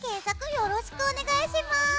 よろしくお願いします。